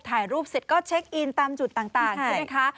ถ่ายรูปเสร็จก็เช็คอินตามจุดต่างใช่ไหมคะ